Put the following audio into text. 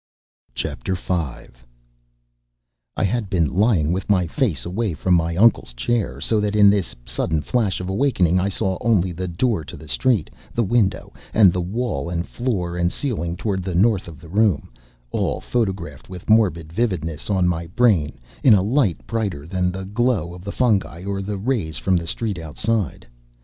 5 I had been lying with my face away from my uncle's chair, so that in this sudden flash of awakening I saw only the door to the street, the window, and the wall and floor and ceiling toward the north of the room, all photographed with morbid vividness on my brain in a light brighter than the glow of the fungi or the rays from the street outside.